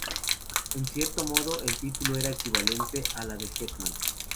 En cierto modo el título era equivalente al de Hetman.